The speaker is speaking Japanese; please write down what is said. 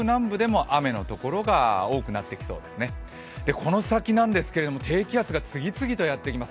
この先なんですけれども低気圧が、次々とやってきます。